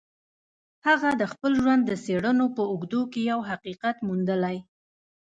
هغه د خپل ژوند د څېړنو په اوږدو کې يو حقيقت موندلی.